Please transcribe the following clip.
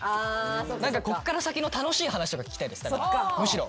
こっから先の楽しい話とか聞きたいですむしろ。